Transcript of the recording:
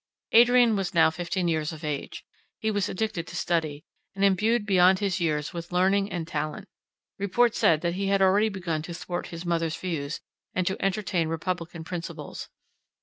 Adrian was now fifteen years of age. He was addicted to study, and imbued beyond his years with learning and talent: report said that he had already begun to thwart his mother's views, and to entertain republican principles.